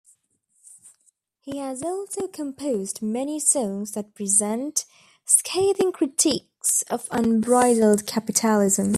He has also composed many songs that present scathing critiques of unbridled capitalism.